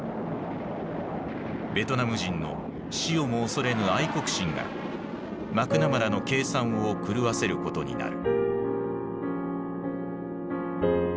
ベトナム人の死をも恐れぬ「愛国心」がマクナマラの計算を狂わせることになる。